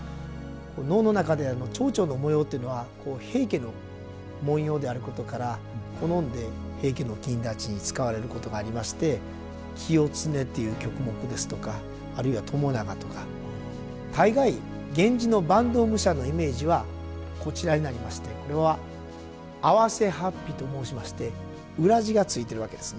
能の中では蝶々の模様というのは平家の文様であることから好んで平家の公達に使われることがありまして「清経」という曲目ですとかあるいは「朝長」とか大概源氏の坂東武者のイメージはこちらになりましてこれは袷法被と申しまして裏地が付いてるわけですね。